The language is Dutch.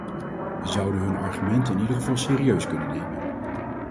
We zouden hun argumenten in ieder geval serieus kunnen nemen.